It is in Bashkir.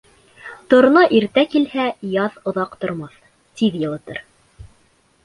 Торна иртә килһә, яҙ оҙаҡ тормаҫ, тиҙ йылытыр.